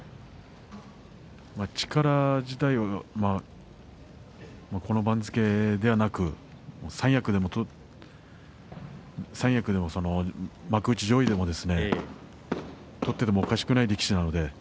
力自体はこの番付ではなく幕内上位でも取っていてもおかしくない力士なんでね。